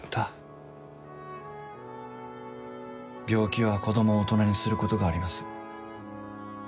病気は子供を大人にすることがあります。